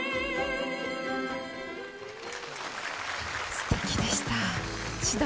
すてきでした。